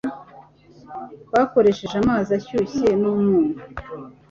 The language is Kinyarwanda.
bakoresheje amazi ashyushye n'umunyu